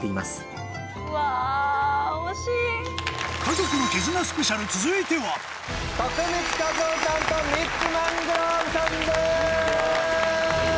その他の続いては徳光和夫さんとミッツ・マングローブさんです。